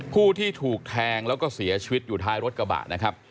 ผู้ที่ถูกแทงแล้วก็เสียชีวิตอยู่ท้ายรถกระบะนะครับ